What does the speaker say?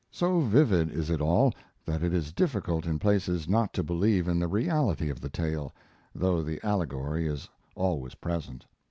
So vivid is it all, that it is difficult in places not to believe in the reality of the tale, though the allegory is always present.